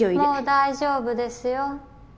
もう大丈夫ですよ。